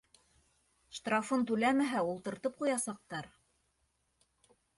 Штрафын түләмәһә, ултыртып ҡуясаҡтар.